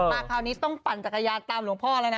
คราวนี้ต้องปั่นจักรยานตามหลวงพ่อแล้วนะ